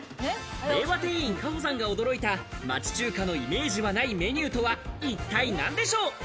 令和店員・かほさんが驚いた、町中華のイメージはないメニューとは一体何でしょう？